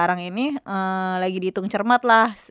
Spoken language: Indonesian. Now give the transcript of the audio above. sekarang ini lagi dihitung cermat lah